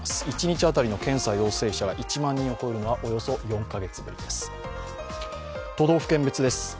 一日当たりの検査陽性者が１万人を超えるのはおよそ４カ月ぶりです。